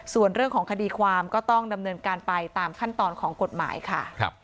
ส่วนเรื่องของคดีความก็ต้องดำเนินการไปตามขั้นตอนของกฎหมายค่ะ